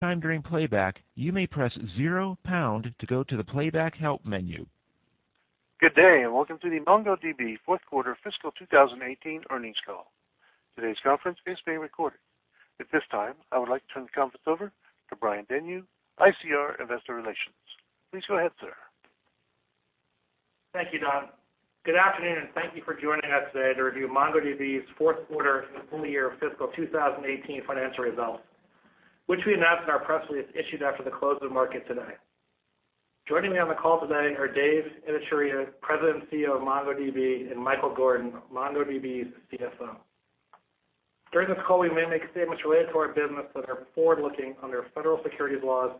At any time during playback, you may press zero pound to go to the playback help menu. Good day. Welcome to the MongoDB fourth quarter fiscal 2018 earnings call. Today's conference is being recorded. At this time, I would like to turn the conference over to Brian Denyeau, ICR Investor Relations. Please go ahead, sir. Thank you, Don. Good afternoon. Thank you for joining us today to review MongoDB's fourth quarter and full year fiscal 2018 financial results, which we announced in our press release issued after the close of market today. Joining me on the call today are Dev Ittycheria, President and CEO of MongoDB, and Michael Gordon, MongoDB's CFO. During this call, we may make statements related to our business that are forward-looking under federal securities laws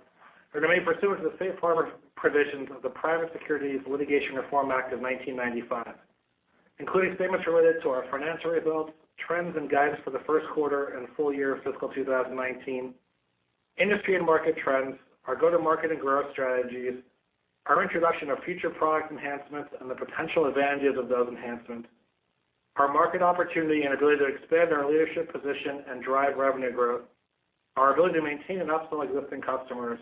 or may be pursuant to the safe harbor provisions of the Private Securities Litigation Reform Act of 1995, including statements related to our financial results, trends, and guidance for the first quarter and full year fiscal 2019, industry and market trends, our go-to-market and growth strategies, our introduction of future product enhancements and the potential advantages of those enhancements, our market opportunity and ability to expand our leadership position and drive revenue growth, our ability to maintain and upsell existing customers,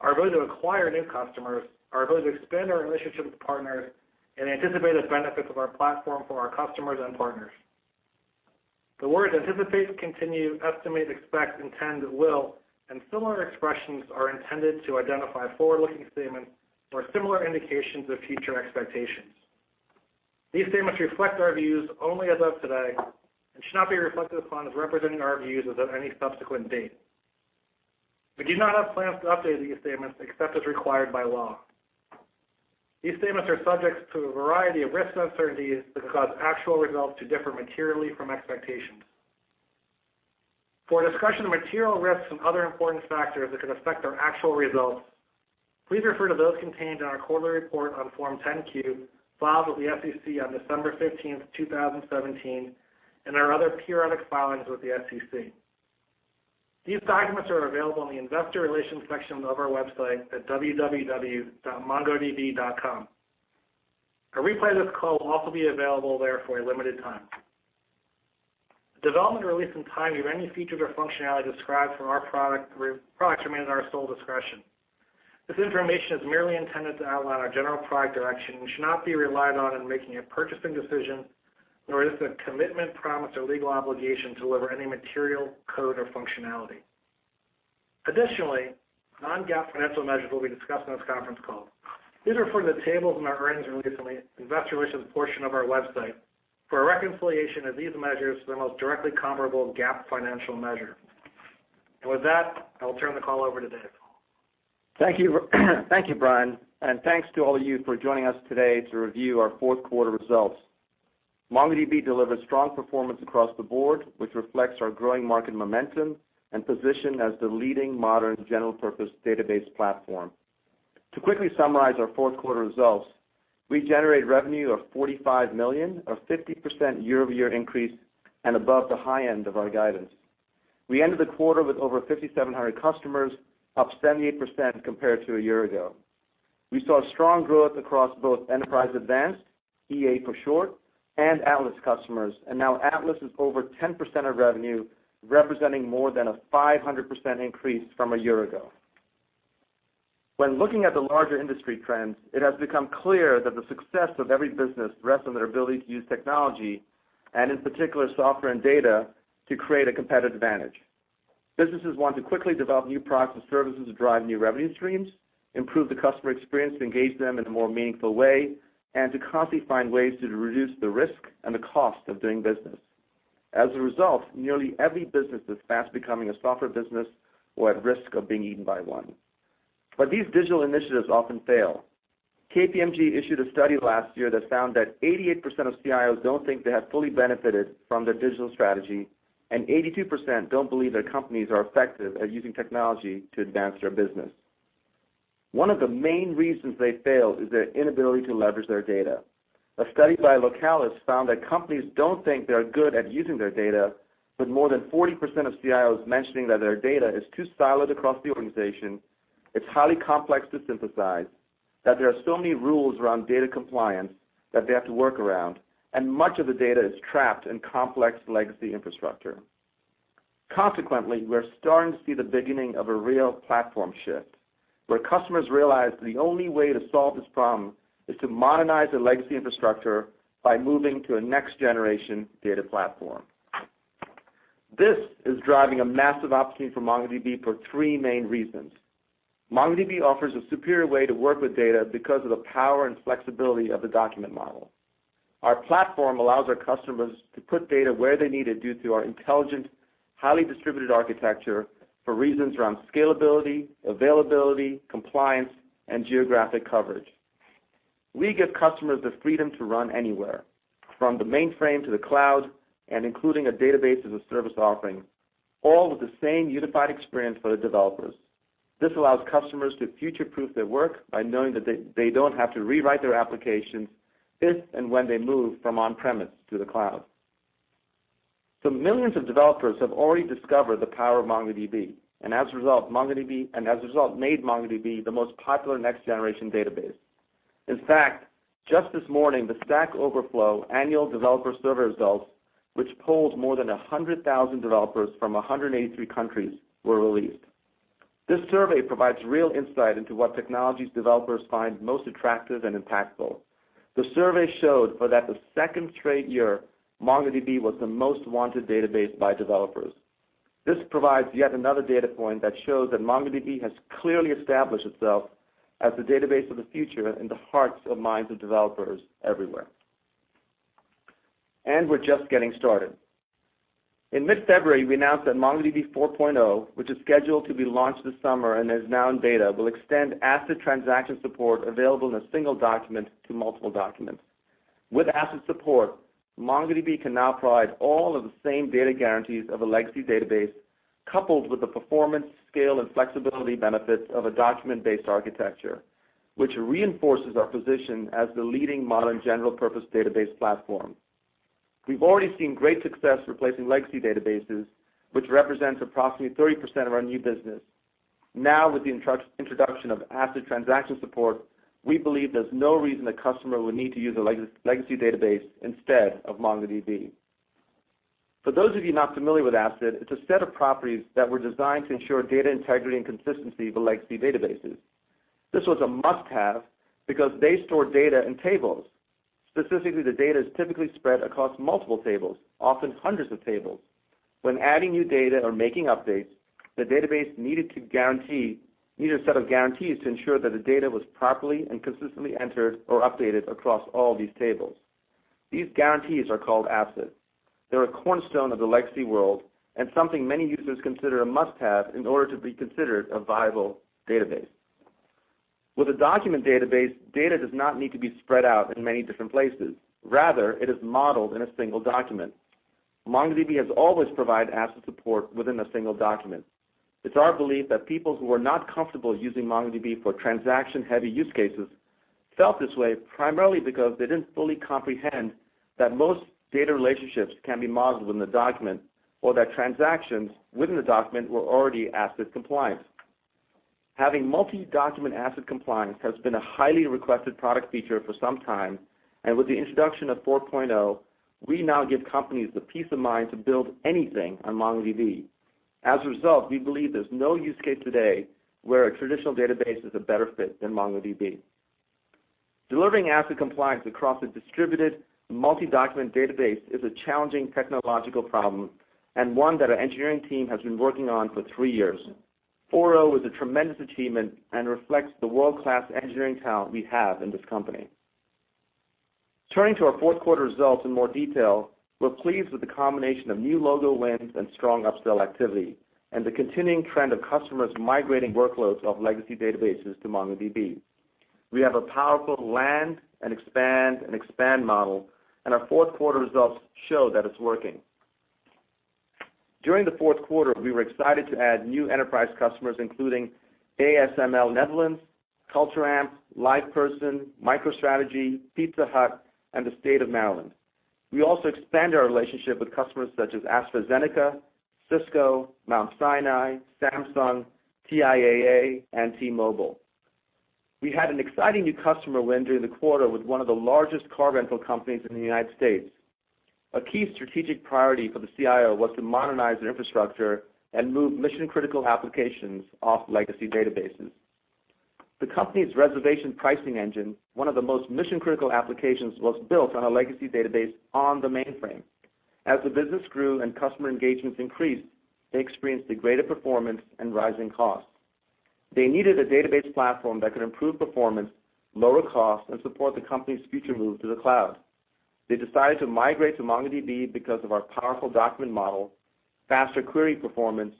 our ability to acquire new customers, our ability to expand our relationships with partners, and anticipated benefits of our platform for our customers and partners. The words anticipate, continue, estimate, expect, intend, will, and similar expressions are intended to identify forward-looking statements or similar indications of future expectations. These statements reflect our views only as of today and should not be reflected upon as representing our views as of any subsequent date. We do not have plans to update these statements except as required by law. These statements are subject to a variety of risks and uncertainties that could cause actual results to differ materially from expectations. For a discussion of material risks and other important factors that could affect our actual results, please refer to those contained in our quarterly report on Form 10-Q filed with the SEC on December 15th, 2017, and our other periodic filings with the SEC. These documents are available in the investor relations section of our website at www.mongodb.com. A replay of this call will also be available there for a limited time. The development or release in timing of any features or functionality described from our products remains at our sole discretion. This information is merely intended to outline our general product direction and should not be relied on in making a purchasing decision, nor is it a commitment, promise, or legal obligation to deliver any material, code, or functionality. Additionally, non-GAAP financial measures will be discussed on this conference call. These are from the tables in our earnings release on the investor relations portion of our website for a reconciliation of these measures to the most directly comparable GAAP financial measure. With that, I will turn the call over to Dev. Thank you, Brian Denyeau, and thanks to all of you for joining us today to review our fourth quarter results. MongoDB delivered strong performance across the board, which reflects our growing market momentum and position as the leading modern general-purpose database platform. To quickly summarize our fourth quarter results, we generated revenue of $45 million, a 50% year-over-year increase and above the high end of our guidance. We ended the quarter with over 5,700 customers, up 78% compared to a year ago. We saw strong growth across both Enterprise Advanced, EA for short, and Atlas customers, and now Atlas is over 10% of revenue, representing more than a 500% increase from a year ago. When looking at the larger industry trends, it has become clear that the success of every business rests on their ability to use technology, and in particular, software and data, to create a competitive advantage. Businesses want to quickly develop new products and services to drive new revenue streams, improve the customer experience to engage them in a more meaningful way, and to constantly find ways to reduce the risk and the cost of doing business. As a result, nearly every business is fast becoming a software business or at risk of being eaten by one. These digital initiatives often fail. KPMG issued a study last year that found that 88% of CIOs don't think they have fully benefited from their digital strategy, and 82% don't believe their companies are effective at using technology to advance their business. One of the main reasons they fail is their inability to leverage their data. A study by Localytics found that companies don't think they're good at using their data, with more than 40% of CIOs mentioning that their data is too siloed across the organization, it's highly complex to synthesize, that there are so many rules around data compliance that they have to work around, and much of the data is trapped in complex legacy infrastructure. Consequently, we're starting to see the beginning of a real platform shift, where customers realize that the only way to solve this problem is to modernize their legacy infrastructure by moving to a next-generation data platform. This is driving a massive opportunity for MongoDB for three main reasons. MongoDB offers a superior way to work with data because of the power and flexibility of the document model. Our platform allows our customers to put data where they need it due to our intelligent, highly distributed architecture for reasons around scalability, availability, compliance, and geographic coverage. We give customers the freedom to run anywhere, from the mainframe to the cloud, and including a database-as-a-service offering, all with the same unified experience for the developers. Millions of developers have already discovered the power of MongoDB, and as a result, made MongoDB the most popular next-generation database. In fact, just this morning, the Stack Overflow annual developer survey results, which polls more than 100,000 developers from 183 countries, were released. This survey provides real insight into what technologies developers find most attractive and impactful. The survey showed for that the second straight year, MongoDB was the most wanted database by developers. This provides yet another data point that shows that MongoDB has clearly established itself as the database of the future in the hearts and minds of developers everywhere. We're just getting started. In mid-February, we announced that MongoDB 4.0, which is scheduled to be launched this summer and is now in beta, will extend ACID transaction support available in a single document to multiple documents. With ACID support, MongoDB can now provide all of the same data guarantees of a legacy database, coupled with the performance, scale, and flexibility benefits of a document-based architecture, which reinforces our position as the leading modern general-purpose database platform. We've already seen great success replacing legacy databases, which represents approximately 30% of our new business. Now, with the introduction of ACID transaction support, we believe there's no reason a customer would need to use a legacy database instead of MongoDB. For those of you not familiar with ACID, it's a set of properties that were designed to ensure data integrity and consistency with legacy databases. This was a must-have because they store data in tables. Specifically, the data is typically spread across multiple tables, often hundreds of tables. When adding new data or making updates, the database needed a set of guarantees to ensure that the data was properly and consistently entered or updated across all these tables. These guarantees are called ACID. They're a cornerstone of the legacy world and something many users consider a must-have in order to be considered a viable database. With a document database, data does not need to be spread out in many different places. Rather, it is modeled in a single document. MongoDB has always provided ACID support within a single document. It's our belief that people who are not comfortable using MongoDB for transaction-heavy use cases felt this way primarily because they didn't fully comprehend that most data relationships can be modeled within the document or that transactions within the document were already ACID compliant. Having multi-document ACID compliance has been a highly requested product feature for some time, and with the introduction of 4.0, we now give companies the peace of mind to build anything on MongoDB. As a result, we believe there's no use case today where a traditional database is a better fit than MongoDB. Delivering ACID compliance across a distributed multi-document database is a challenging technological problem, and one that our engineering team has been working on for three years. 4.0 is a tremendous achievement and reflects the world-class engineering talent we have in this company. Turning to our fourth quarter results in more detail, we're pleased with the combination of new logo wins and strong upsell activity, and the continuing trend of customers migrating workloads off legacy databases to MongoDB. We have a powerful land and expand model, and our fourth quarter results show that it's working. During the fourth quarter, we were excited to add new enterprise customers, including ASML Netherlands, Culture Amp, LivePerson, MicroStrategy, Pizza Hut, and the State of Maryland. We also expanded our relationship with customers such as AstraZeneca, Cisco, Mount Sinai, Samsung, TIAA, and T-Mobile. We had an exciting new customer win during the quarter with one of the largest car rental companies in the United States. A key strategic priority for the CIO was to modernize their infrastructure and move mission-critical applications off legacy databases. The company's reservation pricing engine, one of the most mission-critical applications, was built on a legacy database on the mainframe. As the business grew and customer engagements increased, they experienced degraded performance and rising costs. They needed a database platform that could improve performance, lower costs, and support the company's future move to the cloud. They decided to migrate to MongoDB because of our powerful document model, faster query performance,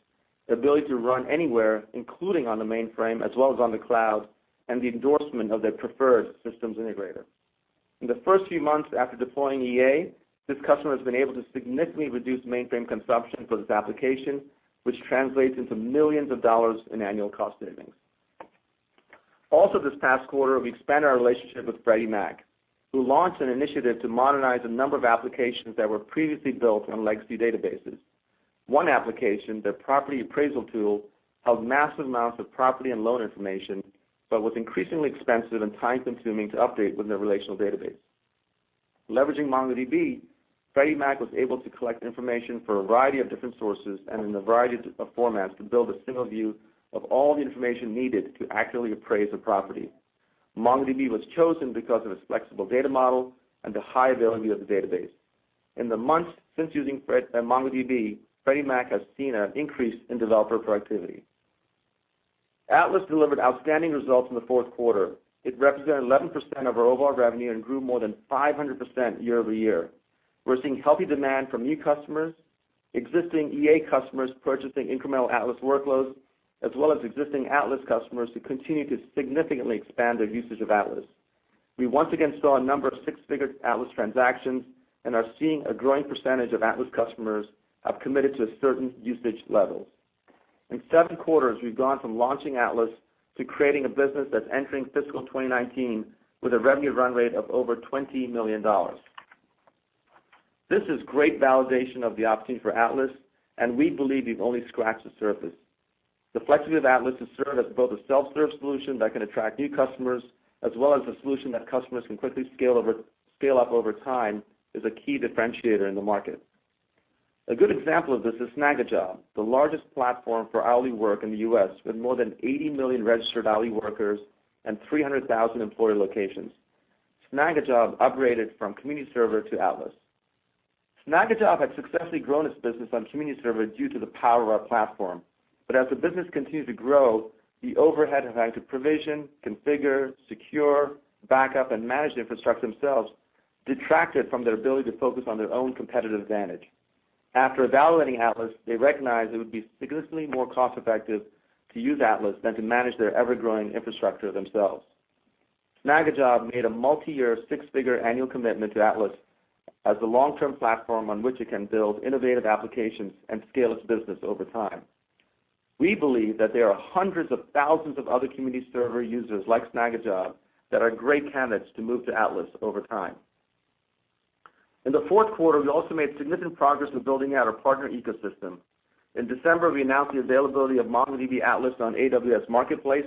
the ability to run anywhere, including on the mainframe as well as on the cloud, and the endorsement of their preferred systems integrator. In the first few months after deploying EA, this customer has been able to significantly reduce mainframe consumption for this application, which translates into millions of dollars in annual cost savings. Also this past quarter, we expanded our relationship with Freddie Mac, who launched an initiative to modernize a number of applications that were previously built on legacy databases. One application, their property appraisal tool, held massive amounts of property and loan information, but was increasingly expensive and time-consuming to update within a relational database. Leveraging MongoDB, Freddie Mac was able to collect information from a variety of different sources and in a variety of formats to build a single view of all the information needed to accurately appraise a property. MongoDB was chosen because of its flexible data model and the high availability of the database. In the months since using MongoDB, Freddie Mac has seen an increase in developer productivity. Atlas delivered outstanding results in the fourth quarter. It represented 11% of our overall revenue and grew more than 500% year-over-year. We're seeing healthy demand from new customers, existing EA customers purchasing incremental Atlas workloads, as well as existing Atlas customers who continue to significantly expand their usage of Atlas. We once again saw a number of six-figure Atlas transactions and are seeing a growing percentage of Atlas customers have committed to certain usage levels. In seven quarters, we've gone from launching Atlas to creating a business that's entering fiscal 2019 with a revenue run rate of over $20 million. This is great validation of the opportunity for Atlas, and we believe we've only scratched the surface. The flexibility of Atlas to serve as both a self-serve solution that can attract new customers, as well as a solution that customers can quickly scale up over time, is a key differentiator in the market. A good example of this is Snagajob, the largest platform for hourly work in the U.S. with more than 80 million registered hourly workers and 300,000 employer locations. Snagajob upgraded from Community Server to Atlas. Snagajob had successfully grown its business on Community Server due to the power of our platform. As the business continued to grow, the overhead of having to provision, configure, secure, backup, and manage the infrastructure themselves detracted from their ability to focus on their own competitive advantage. After evaluating Atlas, they recognized it would be significantly more cost-effective to use Atlas than to manage their ever-growing infrastructure themselves. Snagajob made a multi-year, six-figure annual commitment to Atlas as the long-term platform on which it can build innovative applications and scale its business over time. We believe that there are hundreds of thousands of other Community Server users like Snagajob that are great candidates to move to Atlas over time. In the fourth quarter, we also made significant progress with building out our partner ecosystem. In December, we announced the availability of MongoDB Atlas on AWS Marketplace,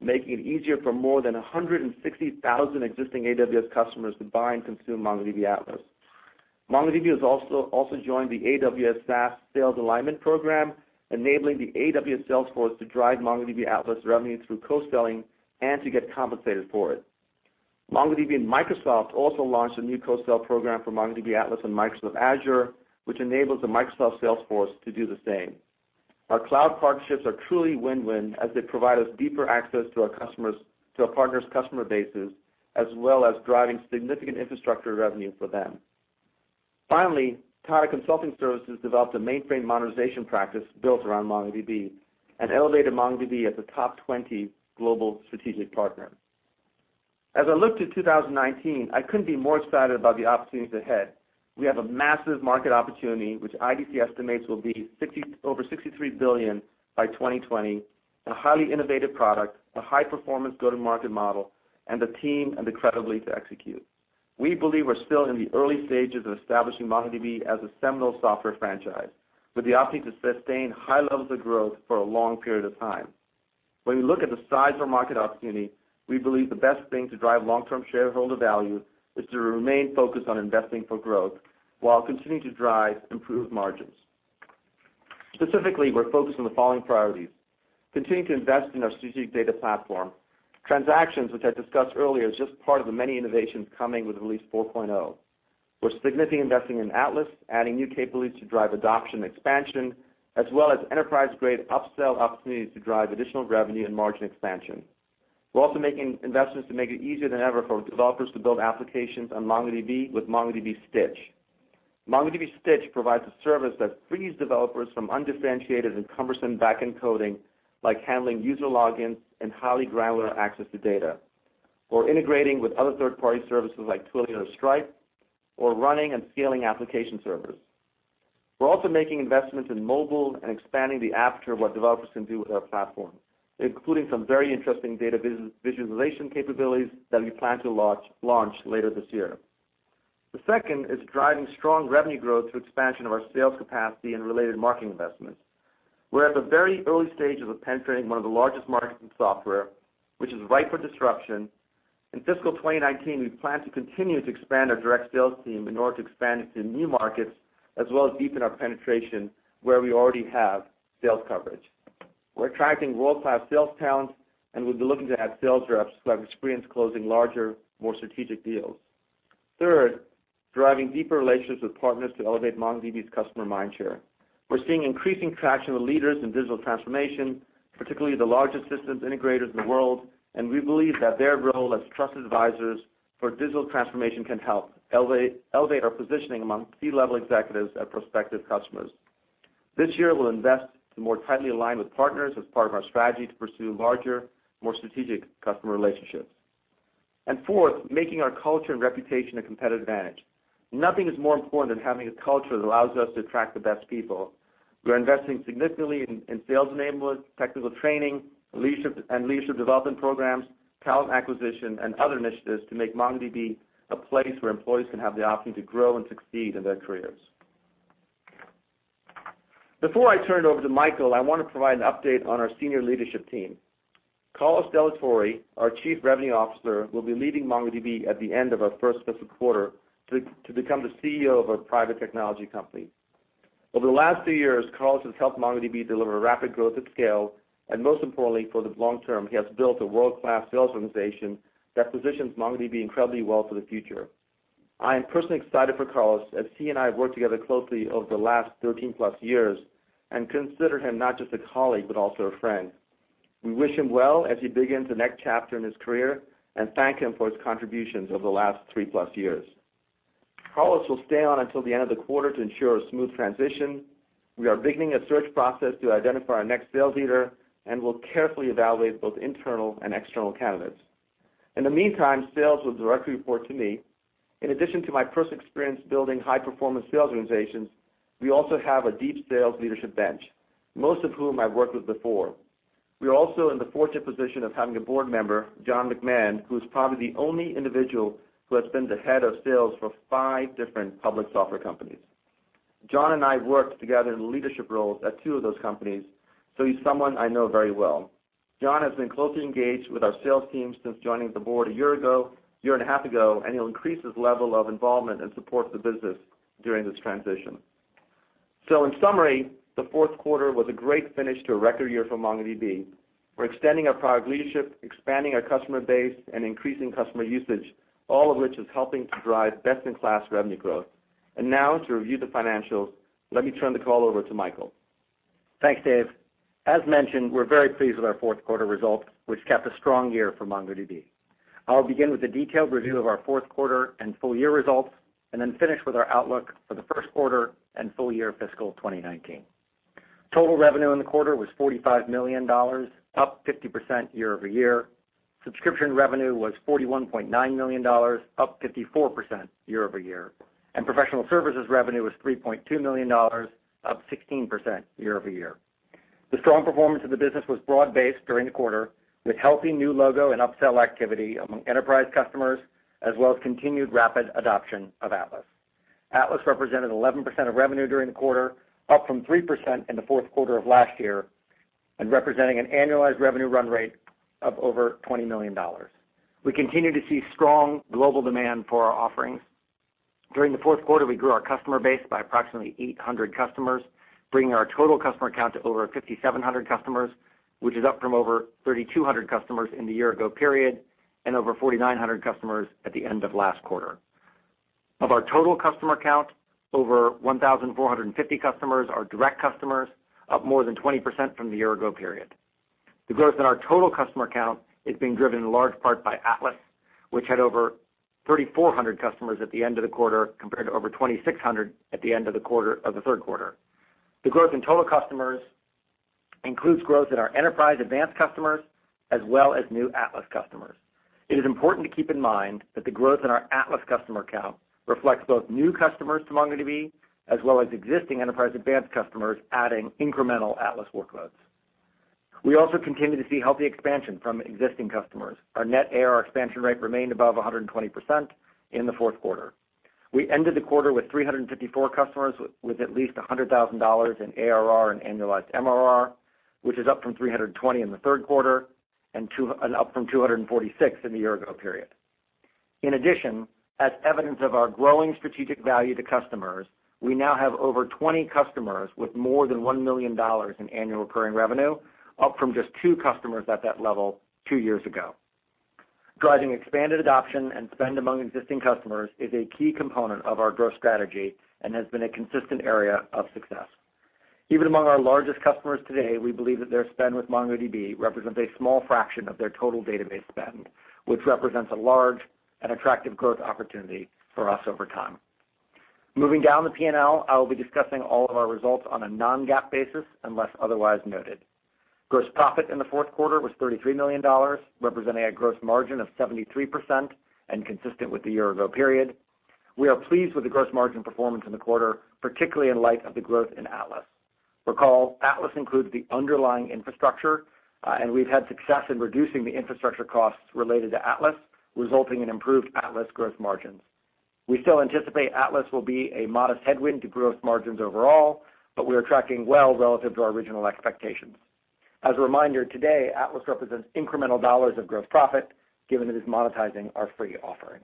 making it easier for more than 160,000 existing AWS customers to buy and consume MongoDB Atlas. MongoDB has also joined the AWS SaaS Sales Alignment Program, enabling the AWS sales force to drive MongoDB Atlas revenue through co-selling and to get compensated for it. MongoDB and Microsoft also launched a new co-sell program for MongoDB Atlas and Microsoft Azure, which enables the Microsoft sales force to do the same. Our cloud partnerships are truly win-win, as they provide us deeper access to our partners' customer bases, as well as driving significant infrastructure revenue for them. Finally, Tata Consultancy Services developed a mainframe modernization practice built around MongoDB and elevated MongoDB as a top 20 global strategic partner. As I look to 2019, I couldn't be more excited about the opportunities ahead. We have a massive market opportunity, which IDC estimates will be over $63 billion by 2020, a highly innovative product, a high-performance go-to-market model, and a team incredibly to execute. We believe we're still in the early stages of establishing MongoDB as a seminal software franchise with the opportunity to sustain high levels of growth for a long period of time. When we look at the size of our market opportunity, we believe the best thing to drive long-term shareholder value is to remain focused on investing for growth while continuing to drive improved margins. Specifically, we're focused on the following priorities. Continue to invest in our strategic data platform. Transactions, which I discussed earlier, is just part of the many innovations coming with Release 4.0. We're significantly investing in Atlas, adding new capabilities to drive adoption expansion, as well as enterprise-grade upsell opportunities to drive additional revenue and margin expansion. We're also making investments to make it easier than ever for developers to build applications on MongoDB with MongoDB Stitch. MongoDB Stitch provides a service that frees developers from undifferentiated and cumbersome back-end coding, like handling user logins and highly granular access to data, or integrating with other third-party services like Twilio or Stripe, or running and scaling application servers. We're also making investments in mobile and expanding the aperture of what developers can do with our platform, including some very interesting data visualization capabilities that we plan to launch later this year. The second is driving strong revenue growth through expansion of our sales capacity and related marketing investments. We're at the very early stages of penetrating one of the largest markets in software, which is ripe for disruption. In fiscal 2019, we plan to continue to expand our direct sales team in order to expand into new markets, as well as deepen our penetration where we already have sales coverage. We're attracting world-class sales talent, and we'll be looking to add sales reps who have experience closing larger, more strategic deals. Third, driving deeper relationships with partners to elevate MongoDB's customer mindshare. We're seeing increasing traction with leaders in digital transformation, particularly the largest systems integrators in the world, and we believe that their role as trusted advisors for digital transformation can help elevate our positioning among C-level executives at prospective customers. This year, we'll invest to more tightly align with partners as part of our strategy to pursue larger, more strategic customer relationships. Fourth, making our culture and reputation a competitive advantage. Nothing is more important than having a culture that allows us to attract the best people. We're investing significantly in sales enablement, technical training, and leadership development programs, talent acquisition, and other initiatives to make MongoDB a place where employees can have the option to grow and succeed in their careers. Before I turn it over to Michael, I want to provide an update on our senior leadership team. Carlos Delatorre, our Chief Revenue Officer, will be leaving MongoDB at the end of our first fiscal quarter to become the CEO of a private technology company. Over the last two years, Carlos has helped MongoDB deliver rapid growth at scale, and most importantly, for the long term, he has built a world-class sales organization that positions MongoDB incredibly well for the future. I am personally excited for Carlos, as he and I have worked together closely over the last 13-plus years and consider him not just a colleague but also a friend. We wish him well as he begins the next chapter in his career and thank him for his contributions over the last three-plus years. Carlos will stay on until the end of the quarter to ensure a smooth transition. We are beginning a search process to identify our next sales leader and will carefully evaluate both internal and external candidates. In the meantime, sales will directly report to me. In addition to my personal experience building high-performance sales organizations, we also have a deep sales leadership bench, most of whom I've worked with before. We are also in the fortunate position of having a board member, John McMahon, who is probably the only individual who has been the head of sales for five different public software companies. John and I worked together in leadership roles at two of those companies, so he's someone I know very well. John has been closely engaged with our sales team since joining the board a year and a half ago, and he'll increase his level of involvement and support the business during this transition. In summary, the fourth quarter was a great finish to a record year for MongoDB. We're extending our product leadership, expanding our customer base, and increasing customer usage, all of which is helping to drive best-in-class revenue growth. And now to review the financials, let me turn the call over to Michael. Thanks, Dev. As mentioned, we're very pleased with our fourth quarter results, which capped a strong year for MongoDB. I'll begin with a detailed review of our fourth quarter and full year results, and then finish with our outlook for the first quarter and full year fiscal 2019. Total revenue in the quarter was $45 million, up 50% year-over-year. Subscription revenue was $41.9 million, up 54% year-over-year. And professional services revenue was $3.2 million, up 16% year-over-year. The strong performance of the business was broad-based during the quarter, with healthy new logo and upsell activity among Enterprise customers, as well as continued rapid adoption of Atlas. Atlas represented 11% of revenue during the quarter, up from 3% in the fourth quarter of last year, and representing an annualized revenue run rate of over $20 million. We continue to see strong global demand for our offerings. During the fourth quarter, we grew our customer base by approximately 800 customers, bringing our total customer count to over 5,700 customers, which is up from over 3,200 customers in the year-ago period and over 4,900 customers at the end of last quarter. Of our total customer count, over 1,450 customers are direct customers, up more than 20% from the year-ago period. The growth in our total customer count is being driven in large part by Atlas, which had over 3,400 customers at the end of the quarter, compared to over 2,600 at the end of the third quarter. The growth in total customers includes growth in our Enterprise Advanced customers, as well as new Atlas customers. It is important to keep in mind that the growth in our Atlas customer count reflects both new customers to MongoDB, as well as existing Enterprise Advanced customers adding incremental Atlas workloads. We also continue to see healthy expansion from existing customers. Our net ARR expansion rate remained above 120% in the fourth quarter. We ended the quarter with 354 customers with at least $100,000 in ARR and annualized MRR, which is up from 320 in the third quarter and up from 246 in the year-ago period. In addition, as evidence of our growing strategic value to customers, we now have over 20 customers with more than $1 million in annual recurring revenue, up from just two customers at that level two years ago. Driving expanded adoption and spend among existing customers is a key component of our growth strategy and has been a consistent area of success. Even among our largest customers today, we believe that their spend with MongoDB represents a small fraction of their total database spend, which represents a large and attractive growth opportunity for us over time. Moving down the P&L, I will be discussing all of our results on a non-GAAP basis, unless otherwise noted. Gross profit in the fourth quarter was $33 million, representing a gross margin of 73% and consistent with the year-ago period. We are pleased with the gross margin performance in the quarter, particularly in light of the growth in Atlas. Recall, Atlas includes the underlying infrastructure, and we've had success in reducing the infrastructure costs related to Atlas, resulting in improved Atlas gross margins. We still anticipate Atlas will be a modest headwind to gross margins overall, but we are tracking well relative to our original expectations. As a reminder, today, Atlas represents incremental dollars of gross profit, given that it's monetizing our free offering.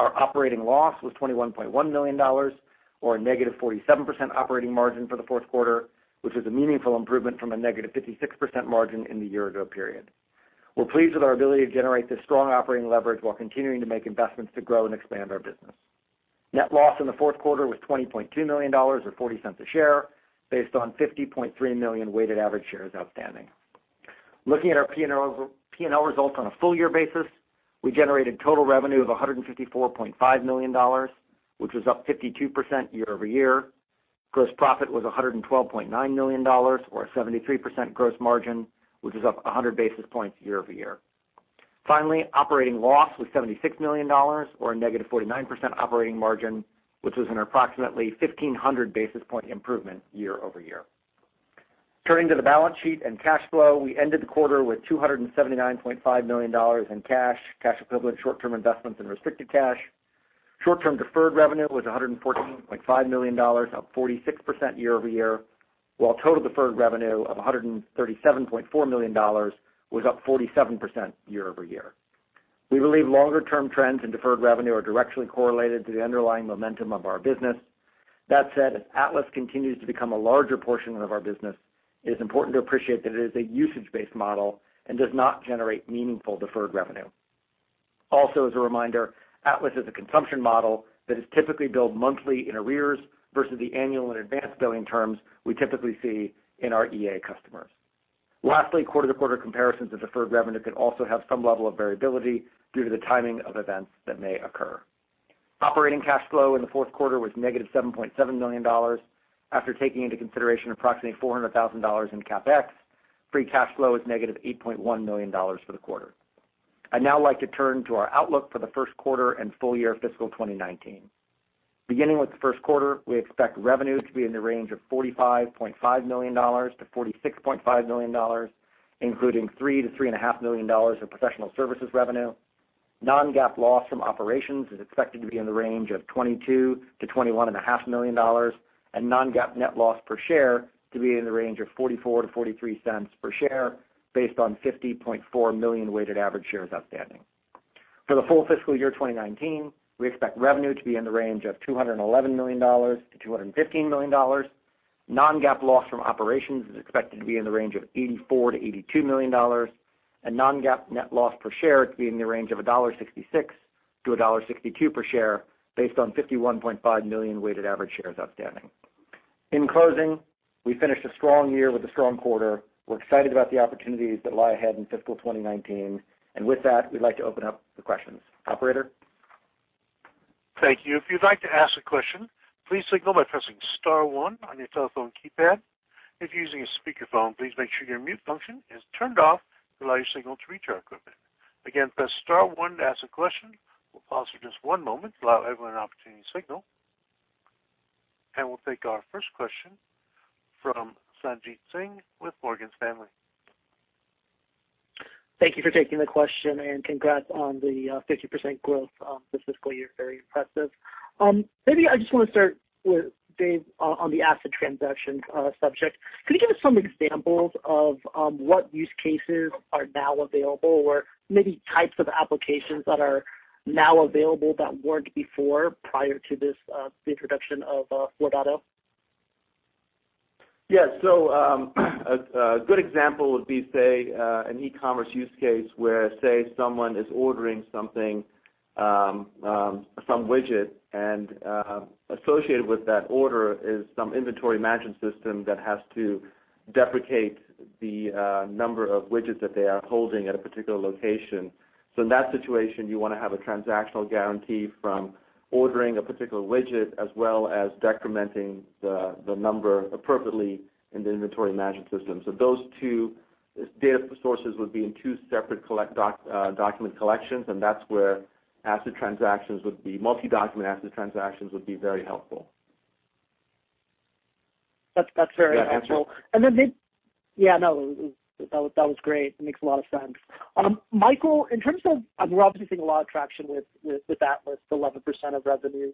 Our operating loss was $21.1 million, or a negative 47% operating margin for the fourth quarter, which is a meaningful improvement from a negative 56% margin in the year-ago period. We're pleased with our ability to generate this strong operating leverage while continuing to make investments to grow and expand our business. Net loss in the fourth quarter was $20.2 million, or $0.40 a share, based on 50.3 million weighted average shares outstanding. Looking at our P&L results on a full year basis, we generated total revenue of $154.5 million, which was up 52% year-over-year. Gross profit was $112.9 million, or a 73% gross margin, which is up 100 basis points year-over-year. Operating loss was $76 million, or a negative 49% operating margin, which was an approximately 1,500 basis point improvement year-over-year. Turning to the balance sheet and cash flow, we ended the quarter with $279.5 million in cash equivalents, short-term investments, and restricted cash. Short-term deferred revenue was $114.5 million, up 46% year-over-year, while total deferred revenue of $137.4 million was up 47% year-over-year. We believe longer-term trends in deferred revenue are directly correlated to the underlying momentum of our business. As Atlas continues to become a larger portion of our business, it is important to appreciate that it is a usage-based model and does not generate meaningful deferred revenue. As a reminder, Atlas is a consumption model that is typically billed monthly in arrears versus the annual and advanced billing terms we typically see in our EA customers. Quarter-to-quarter comparisons of deferred revenue could also have some level of variability due to the timing of events that may occur. Operating cash flow in the fourth quarter was negative $7.7 million. After taking into consideration approximately $400,000 in CapEx, free cash flow is negative $8.1 million for the quarter. I'd now like to turn to our outlook for the first quarter and full year fiscal 2019. We expect revenue to be in the range of $45.5 million-$46.5 million, including $3 million-$3.5 million in professional services revenue. Non-GAAP loss from operations is expected to be in the range of $22 million-$21.5 million, and non-GAAP net loss per share to be in the range of $0.44-$0.43 per share based on 50.4 million weighted average shares outstanding. For the full fiscal year 2019, we expect revenue to be in the range of $211 million-$215 million. Non-GAAP loss from operations is expected to be in the range of $84 million-$82 million, and non-GAAP net loss per share to be in the range of $1.66-$1.62 per share based on 51.5 million weighted average shares outstanding. In closing, we finished a strong year with a strong quarter. We're excited about the opportunities that lie ahead in fiscal 2019. With that, we'd like to open up to questions. Operator? Thank you. If you'd like to ask a question, please signal by pressing star one on your telephone keypad. If you're using a speakerphone, please make sure your mute function is turned off to allow your signal to reach our equipment. Again, press star one to ask a question. We'll pause for just one moment to allow everyone an opportunity to signal. We'll take our first question from Sanjit Singh with Morgan Stanley. Thank you for taking the question. Congrats on the 50% growth this fiscal year. Very impressive. Maybe I just want to start with, Dev, on the ACID transaction subject. Could you give us some examples of what use cases are now available, or maybe types of applications that are now available that weren't before, prior to the introduction of MongoDB 4.0? Yes. A good example would be, say, an e-commerce use case where, say, someone is ordering something, some widget, and associated with that order is some inventory management system that has to deprecate the number of widgets that they are holding at a particular location. In that situation, you want to have a transactional guarantee from ordering a particular widget as well as decrementing the number appropriately in the inventory management system. Those two data sources would be in two separate document collections, and that's where multi-document ACID transactions would be very helpful. That's very helpful. Does that answer? Yeah, no. That was great. It makes a lot of sense. Michael, we're obviously seeing a lot of traction with Atlas, 11% of revenue.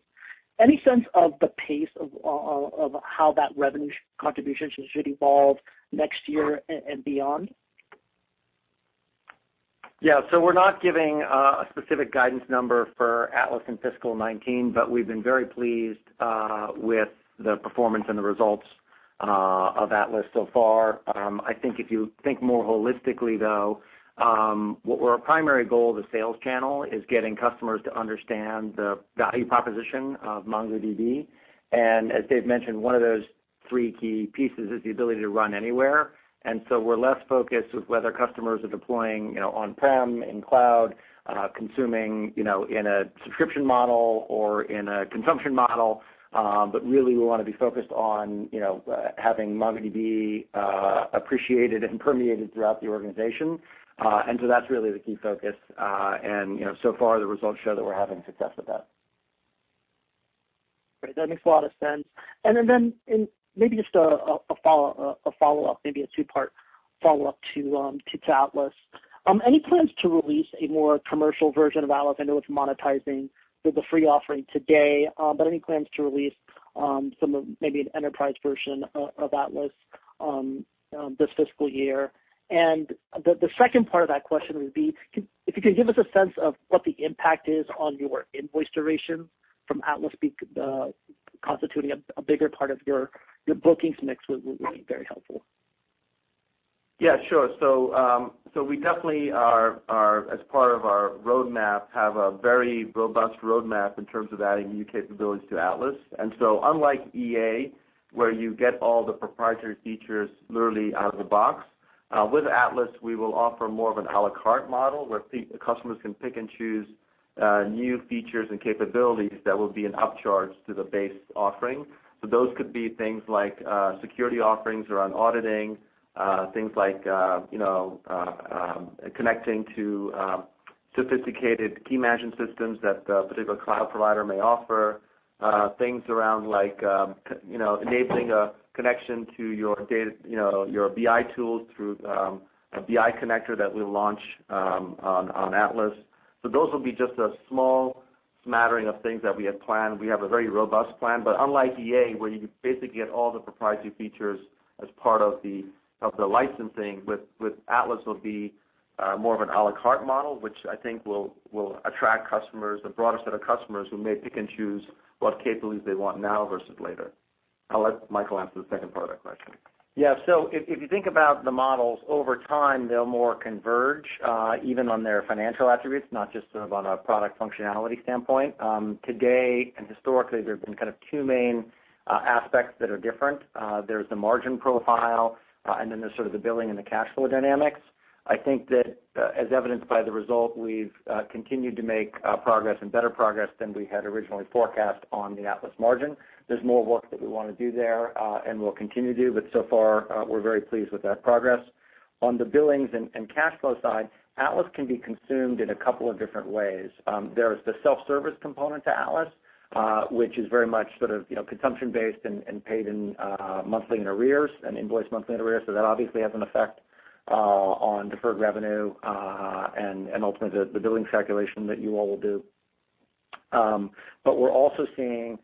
Any sense of the pace of how that revenue contribution should evolve next year and beyond? Yeah. We're not giving a specific guidance number for Atlas in fiscal 2019, we've been very pleased with the performance and the results of Atlas so far. I think if you think more holistically, though, what our primary goal as a sales channel is getting customers to understand the value proposition of MongoDB. As Dev mentioned, one of those three key pieces is the ability to run anywhere. We're less focused with whether customers are deploying on-prem, in cloud, consuming in a subscription model or in a consumption model. Really, we want to be focused on having MongoDB appreciated and permeated throughout the organization. So far, the results show that we're having success with that. Great. That makes a lot of sense. Maybe just a follow-up, maybe a two-part follow-up to Atlas. Any plans to release a more commercial version of Atlas? I know it's monetizing with the free offering today. Any plans to release maybe an enterprise version of Atlas this fiscal year? The second part of that question would be, if you could give us a sense of what the impact is on your invoice duration from Atlas constituting a bigger part of your bookings mix would be very helpful. Yeah, sure. We definitely, as part of our roadmap, have a very robust roadmap in terms of adding new capabilities to Atlas. Unlike EA, where you get all the proprietary features literally out of the box, with Atlas, we will offer more of an à la carte model where customers can pick and choose new features and capabilities that will be an upcharge to the base offering. Those could be things like security offerings around auditing, things like connecting to sophisticated key management systems that a particular cloud provider may offer, things around enabling a connection to your BI tools through a BI Connector that we'll launch on Atlas. Those will be just a small smattering of things that we have planned. We have a very robust plan, unlike EA, where you basically get all the proprietary features as part of the licensing, with Atlas it will be more of an à la carte model, which I think will attract customers, a broader set of customers who may pick and choose what capabilities they want now versus later. I'll let Michael answer the second part of that question. Yeah. If you think about the models over time, they'll more converge, even on their financial attributes, not just sort of on a product functionality standpoint. Today historically, there's been kind of two main aspects that are different. There's the margin profile, and then there's sort of the billing and the cash flow dynamics. I think that, as evidenced by the result, we've continued to make progress and better progress than we had originally forecast on the Atlas margin. There's more work that we want to do there, and we'll continue to do, but so far, we're very pleased with that progress. On the billings and cash flow side, Atlas can be consumed in a couple of different ways. There is the self-service component to Atlas, which is very much consumption-based and paid in monthly in arrears and invoiced monthly in arrears, that obviously has an effect on deferred revenue, and ultimately, the billing calculation that you all will do. We're also seeing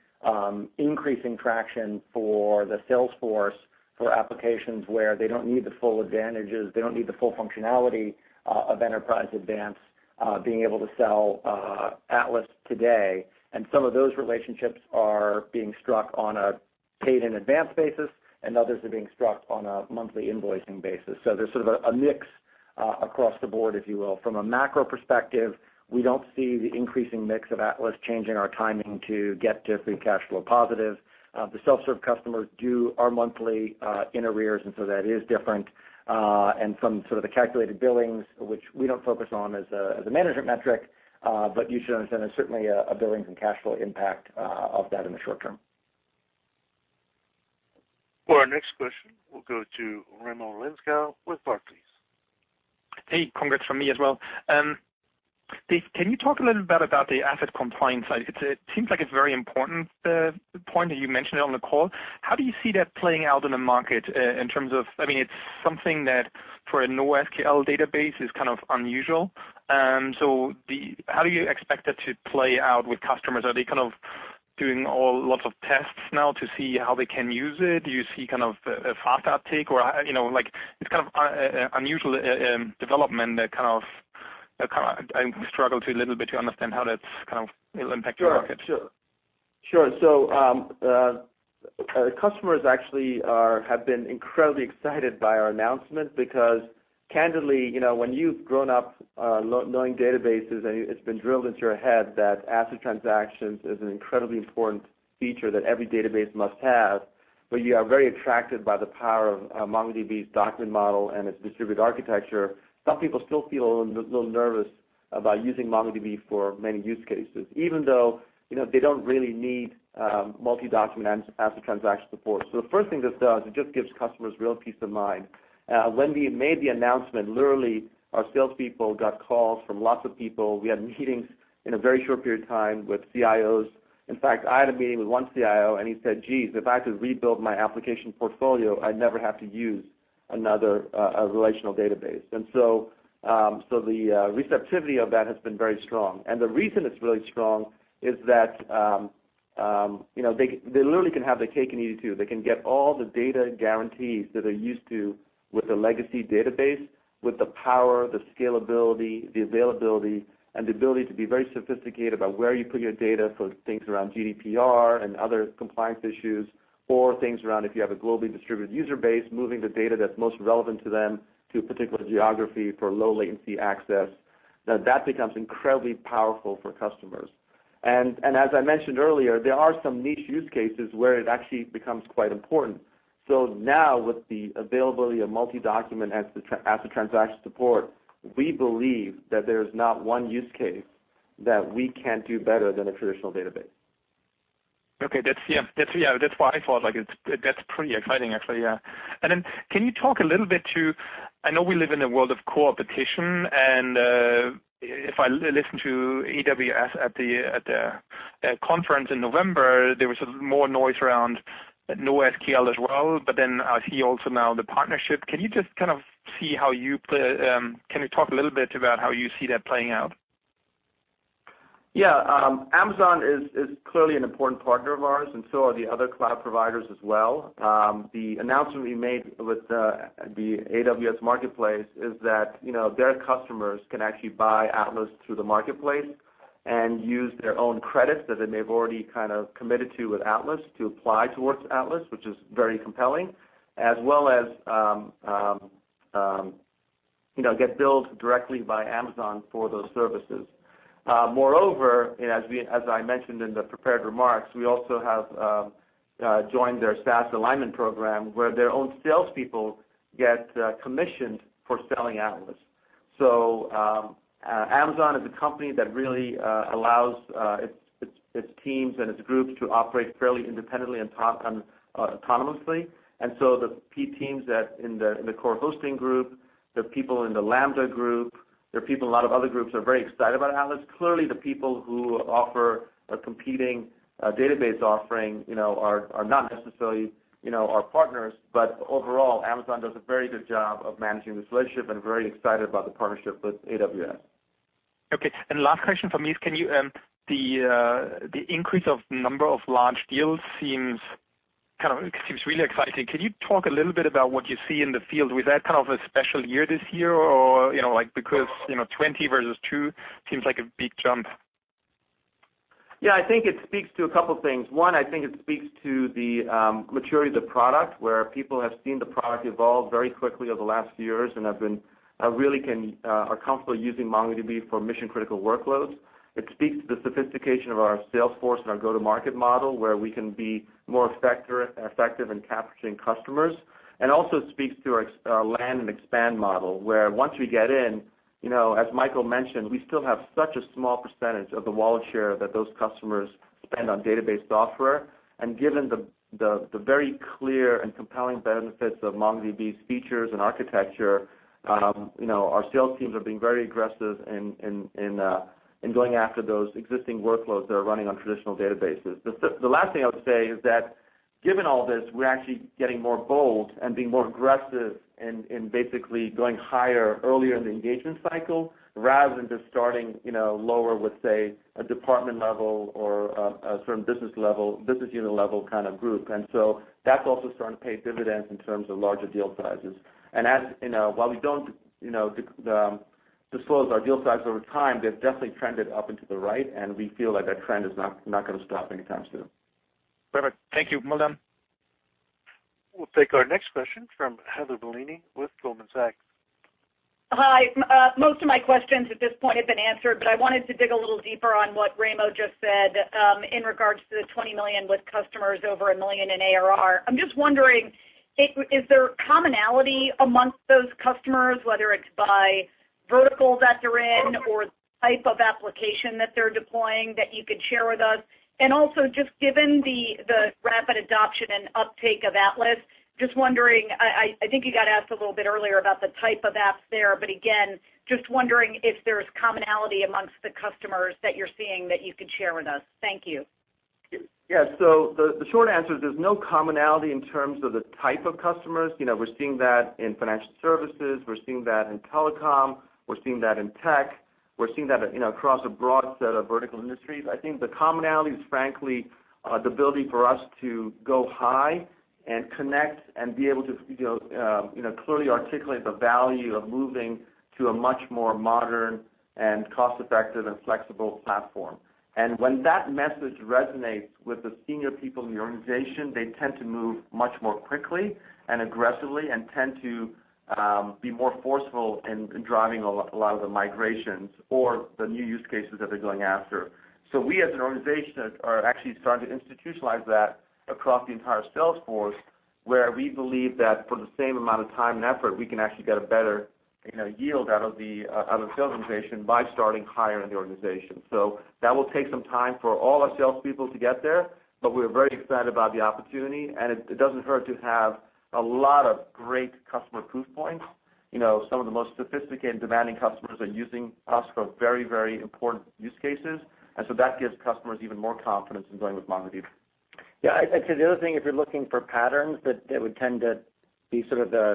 increasing traction for the sales force for applications where they don't need the full advantages, they don't need the full functionality of Enterprise Advanced being able to sell Atlas today, and some of those relationships are being struck on a paid-in-advance basis, and others are being struck on a monthly invoicing basis. There's sort of a mix across the board, if you will. From a macro perspective, we don't see the increasing mix of Atlas changing our timing to get to free cash flow positive. The self-serve customers do our monthly in arrears, that is different. From the calculated billings, which we don't focus on as a management metric, but you should understand there's certainly a billing and cash flow impact of that in the short term. For our next question, we'll go to Raimo Lenschow with Barclays. Hey, congrats from me as well. Dev, can you talk a little bit about the ACID compliance side? It seems like it's very important, the point that you mentioned it on the call. How do you see that playing out in the market in terms of, it's something that for a NoSQL database is kind of unusual. How do you expect it to play out with customers? Are they doing lots of tests now to see how they can use it? Do you see a fast uptake? It's kind of an unusual development that I struggle a little bit to understand how that's going to impact your market. Sure. Customers actually have been incredibly excited by our announcement because candidly, when you've grown up knowing databases, and it's been drilled into your head that ACID transactions is an incredibly important feature that every database must have, but you are very attracted by the power of MongoDB's document model and its distributed architecture, some people still feel a little nervous about using MongoDB for many use cases, even though they don't really need multi-document ACID transaction support. The first thing this does, it just gives customers real peace of mind. When we made the announcement, literally our salespeople got calls from lots of people. We had meetings in a very short period of time with CIOs. In fact, I had a meeting with one CIO, and he said, "Geez, if I could rebuild my application portfolio, I'd never have to use another relational database." The receptivity of that has been very strong. The reason it's really strong is that they literally can have their cake and eat it, too. They can get all the data guarantees that they're used to with a legacy database, with the power, the scalability, the availability, and the ability to be very sophisticated about where you put your data for things around GDPR and other compliance issues, or things around if you have a globally distributed user base, moving the data that's most relevant to them to a particular geography for low latency access. That becomes incredibly powerful for customers. As I mentioned earlier, there are some niche use cases where it actually becomes quite important. Now with the availability of multi-document ACID transaction support, we believe that there's not one use case that we can't do better than a traditional database. Okay. That's what I thought. That's pretty exciting, actually, yeah. Can you talk a little bit to, I know we live in a world of competition, if I listen to AWS at their conference in November, there was more noise around NoSQL as well, I see also now the partnership. Can you talk a little bit about how you see that playing out? Yeah. Amazon is clearly an important partner of ours, and so are the other cloud providers as well. The announcement we made with the AWS Marketplace is that their customers can actually buy Atlas through the marketplace and use their own credits that they've already committed to with Atlas to apply towards Atlas, which is very compelling, as well as get billed directly by Amazon for those services. Moreover, as I mentioned in the prepared remarks, we also have joined their SaaS alignment program, where their own salespeople get commissioned for selling Atlas. Amazon is a company that really allows its teams and its groups to operate fairly independently and autonomously. The key teams in the core hosting group, the people in the Lambda group, there are people in a lot of other groups are very excited about Atlas. Clearly, the people who offer a competing database offering are not necessarily our partners. Overall, Amazon does a very good job of managing this relationship and very excited about the partnership with AWS. Okay. Last question from me is, the increase of number of large deals seems really exciting. Can you talk a little bit about what you see in the field? Was that a special year this year, or because 20 versus two seems like a big jump. Yeah, I think it speaks to a couple of things. One, I think it speaks to the maturity of the product, where people have seen the product evolve very quickly over the last few years and really are comfortable using MongoDB for mission-critical workloads. It speaks to the sophistication of our sales force and our go-to-market model, where we can be more effective in capturing customers. Also speaks to our land and expand model, where once we get in As Michael mentioned, we still have such a small percentage of the wallet share that those customers spend on database software. Given the very clear and compelling benefits of MongoDB's features and architecture, our sales teams are being very aggressive in going after those existing workloads that are running on traditional databases. The last thing I would say is that given all this, we're actually getting more bold and being more aggressive in basically going higher earlier in the engagement cycle rather than just starting lower with, say, a department level or a certain business unit level kind of group. That's also starting to pay dividends in terms of larger deal sizes. While we don't disclose our deal size over time, they've definitely trended up and to the right, and we feel like that trend is not going to stop anytime soon. Perfect. Thank you. Madam? We'll take our next question from Heather Bellini with Goldman Sachs. Hi. Most of my questions at this point have been answered, but I wanted to dig a little deeper on what Raimo just said, in regards to the $20 million with customers over $1 million in ARR. I'm just wondering, is there commonality amongst those customers, whether it's by verticals that they're in or the type of application that they're deploying that you could share with us? Also, just given the rapid adoption and uptake of Atlas, just wondering, I think you got asked a little bit earlier about the type of apps there, but again, just wondering if there's commonality amongst the customers that you're seeing that you could share with us. Thank you. Yeah. The short answer is there's no commonality in terms of the type of customers. We're seeing that in financial services, we're seeing that in telecom, we're seeing that in tech, we're seeing that across a broad set of vertical industries. I think the commonality is frankly, the ability for us to go high and connect and be able to clearly articulate the value of moving to a much more modern and cost-effective and flexible platform. When that message resonates with the senior people in the organization, they tend to move much more quickly and aggressively and tend to be more forceful in driving a lot of the migrations or the new use cases that they're going after. We as an organization are actually starting to institutionalize that across the entire sales force, where we believe that for the same amount of time and effort, we can actually get a better yield out of the sales organization by starting higher in the organization. That will take some time for all our salespeople to get there, but we're very excited about the opportunity, and it doesn't hurt to have a lot of great customer proof points. Some of the most sophisticated and demanding customers are using us for very important use cases. That gives customers even more confidence in going with MongoDB. Yeah, I'd say the other thing, if you're looking for patterns that would tend to be sort of the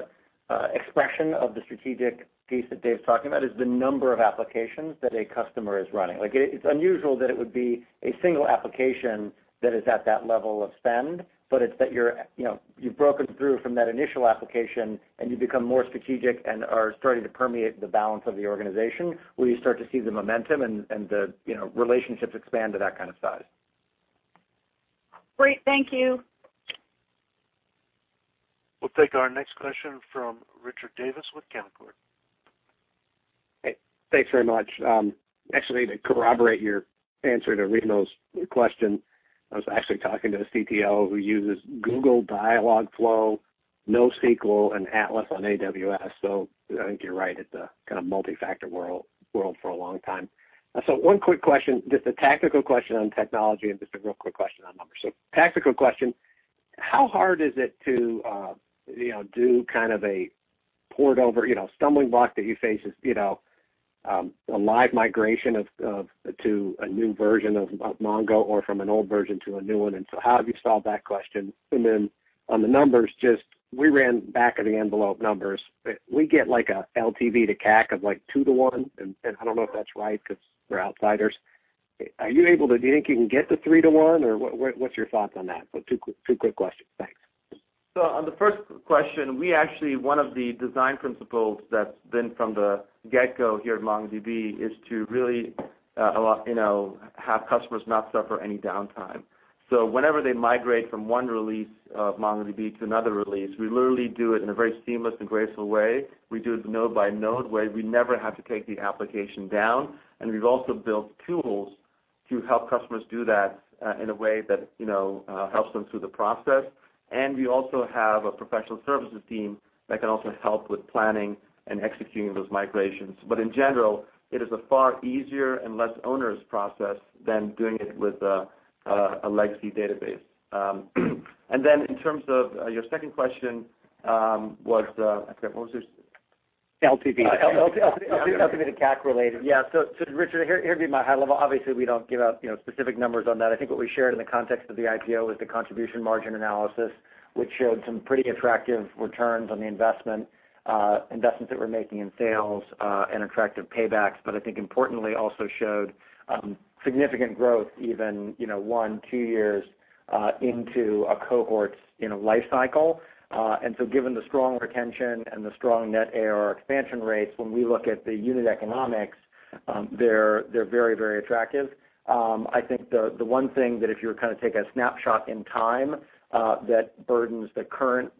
expression of the strategic piece that Dev's talking about is the number of applications that a customer is running. It's unusual that it would be a single application that is at that level of spend, but it's that you've broken through from that initial application, and you become more strategic and are starting to permeate the balance of the organization, where you start to see the momentum and the relationships expand to that kind of size. Great. Thank you. We'll take our next question from Richard Davis with Canaccord. Hey, thanks very much. Actually, to corroborate your answer to Raimo's question, I was actually talking to the CPO who uses Google Dialogflow, NoSQL, and Atlas on AWS. I think you're right, it's a kind of multifactor world for a long time. One quick question, just a tactical question on technology and just a real quick question on numbers. Tactical question, how hard is it to do kind of a port over, stumbling block that you face as a live migration to a new version of Mongo or from an old version to a new one. How have you solved that question? Then on the numbers, just we ran back-of-the-envelope numbers. We get like a LTV to CAC of like 2 to 1, and I don't know if that's right because we're outsiders. Do you think you can get to 3 to 1 or what's your thoughts on that? Two quick questions. Thanks. On the first question, one of the design principles that's been from the get-go here at MongoDB is to really have customers not suffer any downtime. Whenever they migrate from one release of MongoDB to another release, we literally do it in a very seamless and graceful way. We do it node by node, where we never have to take the application down. We've also built tools to help customers do that in a way that helps them through the process. We also have a professional services team that can also help with planning and executing those migrations. In general, it is a far easier and less onerous process than doing it with a legacy database. Then in terms of your second question, what was the- LTV. LTV. LTV to CAC related. Yeah. Richard, here would be my high level. Obviously, we don't give out specific numbers on that. I think what we shared in the context of the IPO was the contribution margin analysis, which showed some pretty attractive returns on the investment, investments that we're making in sales, and attractive paybacks. I think importantly, also showed significant growth even one, two years into a cohort's life cycle. Given the strong retention and the strong net ARR expansion rates, when we look at the unit economics, they're very attractive. I think the one thing that if you were to take a snapshot in time, that burdens the current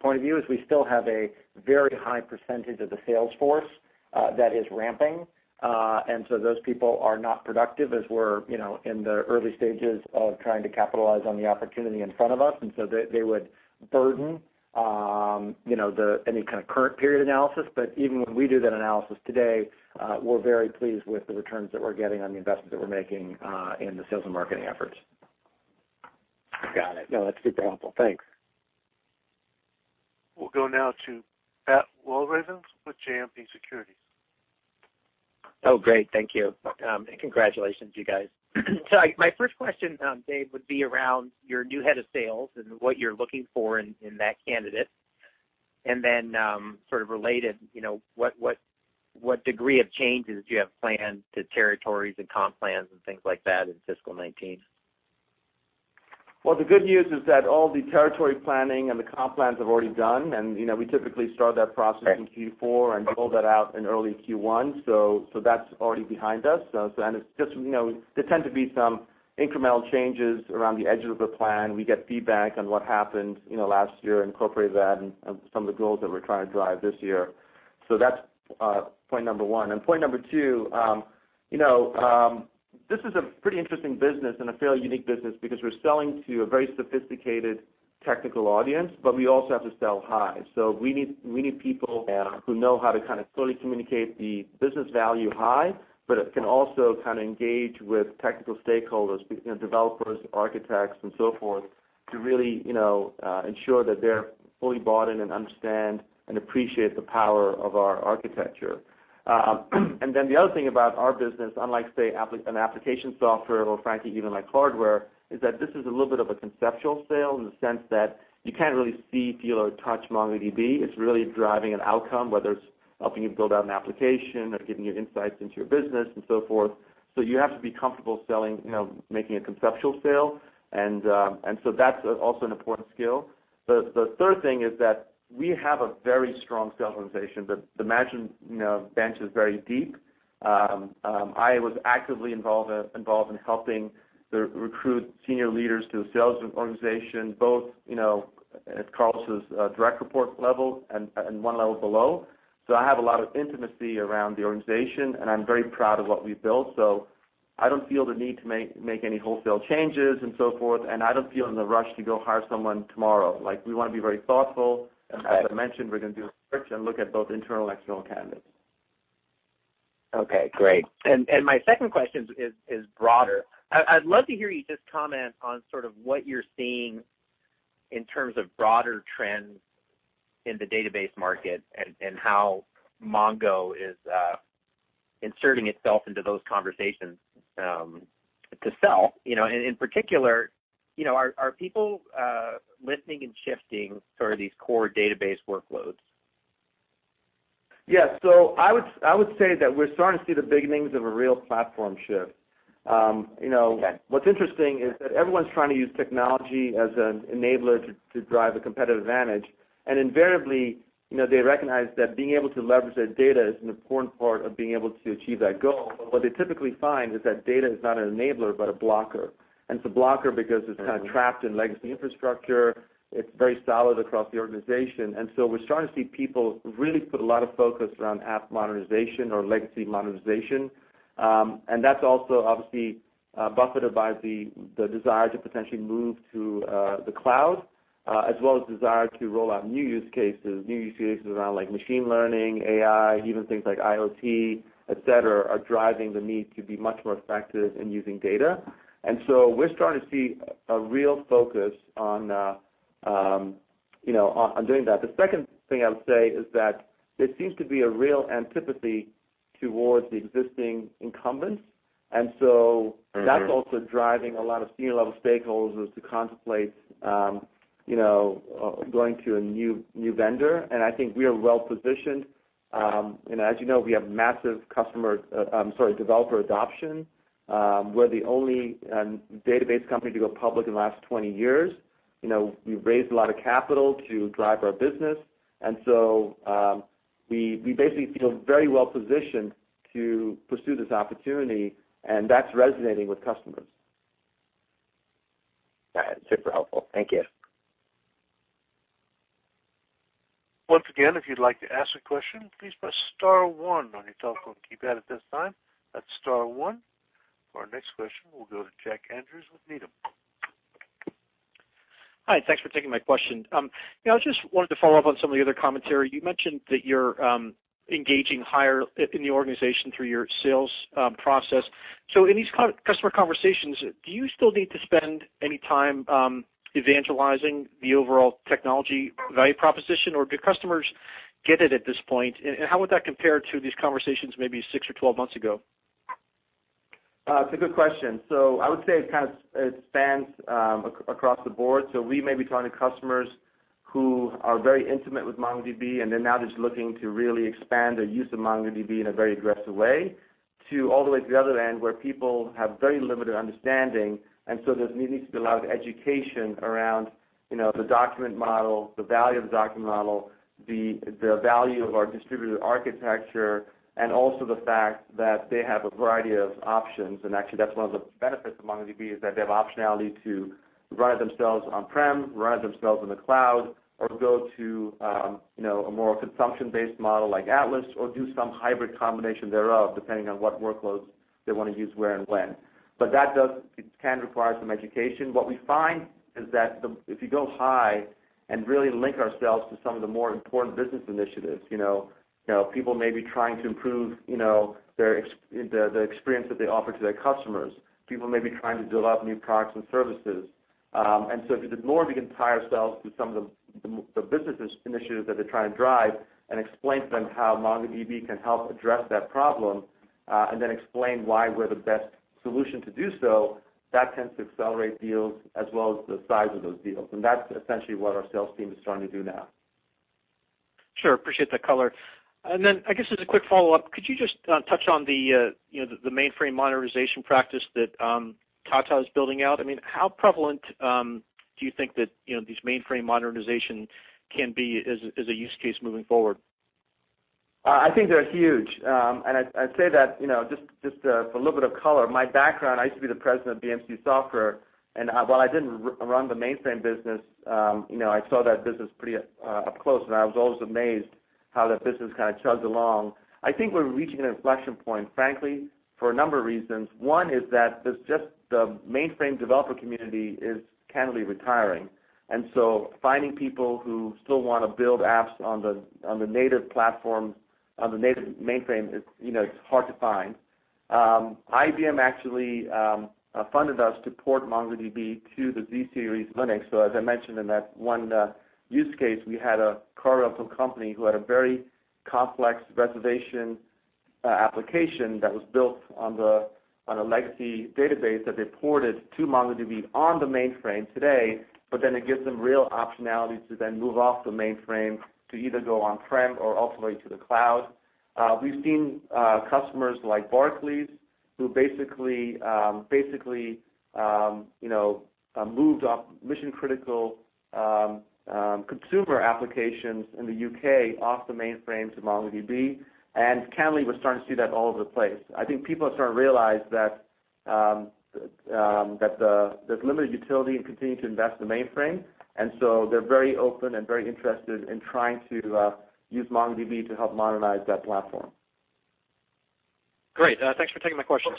point of view is we still have a very high percentage of the sales force that is ramping. Those people are not productive as we're in the early stages of trying to capitalize on the opportunity in front of us. They would burden any kind of current period analysis. Even when we do that analysis today, we're very pleased with the returns that we're getting on the investment that we're making in the sales and marketing efforts. Got it. No, that's super helpful. Thanks. We'll go now to Pat Walravens with JMP Securities. Great. Thank you. Congratulations, you guys. My first question, Dev, would be around your new head of sales and what you're looking for in that candidate. Then sort of related, what degree of changes do you have planned to territories and comp plans and things like that in fiscal 2019? Well, the good news is that all the territory planning and the comp plans are already done. We typically start that process in Q4 and roll that out in early Q1, so that's already behind us. There tend to be some incremental changes around the edges of the plan. We get feedback on what happened last year, incorporate that, and some of the goals that we're trying to drive this year. That's point number 1. Point number 2, this is a pretty interesting business and a fairly unique business because we're selling to a very sophisticated technical audience, but we also have to sell high. We need people- Yeah who know how to kind of fully communicate the business value high, but can also kind of engage with technical stakeholders, developers, architects and so forth, to really ensure that they're fully bought in and understand and appreciate the power of our architecture. The other thing about our business, unlike, say, an application software or frankly, even like hardware, is that this is a little bit of a conceptual sale in the sense that you can't really see, feel or touch MongoDB. It's really driving an outcome, whether it's helping you build out an application or giving you insights into your business and so forth. You have to be comfortable making a conceptual sale, that's also an important skill. The third thing is that we have a very strong sales organization. The management bench is very deep. I was actively involved in helping recruit senior leaders to the sales organization, both at Carlos' direct reports level and one level below. I have a lot of intimacy around the organization, and I'm very proud of what we've built. I don't feel the need to make any wholesale changes and so forth. I don't feel in a rush to go hire someone tomorrow. We want to be very thoughtful. Right. As I mentioned, we're going to do a search and look at both internal and external candidates. Okay, great. My second question is broader. I'd love to hear you just comment on sort of what you're seeing in terms of broader trends in the database market and how Mongo is inserting itself into those conversations to sell. In particular, are people lifting and shifting sort of these core database workloads? Yeah. I would say that we're starting to see the beginnings of a real platform shift. Okay. What's interesting is that everyone's trying to use technology as an enabler to drive a competitive advantage. Invariably, they recognize that being able to leverage their data is an important part of being able to achieve that goal. What they typically find is that data is not an enabler, but a blocker. It's a blocker because it's kind of trapped in legacy infrastructure. It's very siloed across the organization. We're starting to see people really put a lot of focus around app modernization or legacy modernization. That's also obviously buffeted by the desire to potentially move to the cloud, as well as desire to roll out new use cases. New use cases around machine learning, AI, even things like IoT, et cetera, are driving the need to be much more effective in using data. We're starting to see a real focus on doing that. The second thing I would say is that there seems to be a real antipathy towards the existing incumbents, that's also driving a lot of senior-level stakeholders to contemplate going to a new vendor. I think we are well-positioned. As you know, we have massive developer adoption. We're the only database company to go public in the last 20 years. We've raised a lot of capital to drive our business, we basically feel very well-positioned to pursue this opportunity, and that's resonating with customers. Got it. Super helpful. Thank you. Once again, if you'd like to ask a question, please press star one on your telephone keypad at this time. That's star one. For our next question, we'll go to Jack Andrews with Needham. Hi. Thanks for taking my question. I just wanted to follow up on some of the other commentary. You mentioned that you're engaging higher in the organization through your sales process. In these customer conversations, do you still need to spend any time evangelizing the overall technology value proposition, or do customers get it at this point? How would that compare to these conversations maybe six or 12 months ago? It's a good question. I would say it spans across the board. We may be talking to customers who are very intimate with MongoDB, and they're now just looking to really expand their use of MongoDB in a very aggressive way, to all the way to the other end, where people have very limited understanding, there needs to be a lot of education around the document model, the value of the document model, the value of our distributed architecture, and also the fact that they have a variety of options. Actually, that's one of the benefits of MongoDB, is that they have optionality to run it themselves on-prem, run it themselves in the cloud, or go to a more consumption-based model like Atlas, or do some hybrid combination thereof, depending on what workloads they want to use where and when. That can require some education. What we find is that if you go high and really link ourselves to some of the more important business initiatives, people may be trying to improve the experience that they offer to their customers. People may be trying to build out new products and services. If you ignore the entire sales through some of the business initiatives that they're trying to drive and explain to them how MongoDB can help address that problem, explain why we're the best solution to do so, that tends to accelerate deals as well as the size of those deals. That's essentially what our sales team is trying to do now. Sure. Appreciate that color. I guess just a quick follow-up. Could you just touch on the mainframe modernization practice that Tata is building out? How prevalent do you think that these mainframe modernization can be as a use case moving forward? I think they're huge. I say that, just for a little bit of color. My background, I used to be the president of BMC Software, while I didn't run the mainframe business, I saw that business pretty up close, I was always amazed how that business kind of chugs along. I think we're reaching an inflection point, frankly, for a number of reasons. One is that the mainframe developer community is candidly retiring. Finding people who still want to build apps on the native platform, on the native mainframe, it's hard to find. IBM actually funded us to port MongoDB to the z Systems Linux. As I mentioned in that one use case, we had a car rental company who had a very complex reservation application that was built on a legacy database that they ported to MongoDB on the mainframe today, but then it gives them real optionality to then move off the mainframe to either go on-prem or all the way to the cloud. We've seen customers like Barclays who basically moved off mission-critical consumer applications in the U.K. off the mainframe to MongoDB. Candidly, we're starting to see that all over the place. I think people are starting to realize that there's limited utility in continuing to invest in the mainframe. They're very open and very interested in trying to use MongoDB to help modernize that platform. Great. Thanks for taking my questions.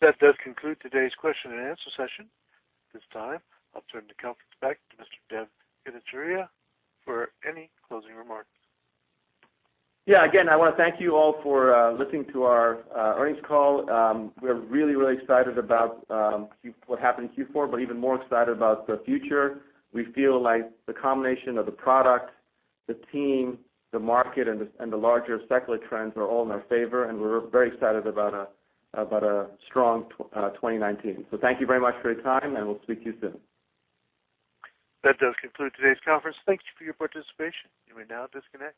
That does conclude today's question and answer session. At this time, I'll turn the conference back to Mr. Dev Ittycheria for any closing remarks. Yeah. Again, I want to thank you all for listening to our earnings call. We're really excited about what happened in Q4, but even more excited about the future. We feel like the combination of the product, the team, the market, and the larger secular trends are all in our favor. We're very excited about a strong 2019. Thank you very much for your time. We'll speak to you soon. That does conclude today's conference. Thank you for your participation. You may now disconnect.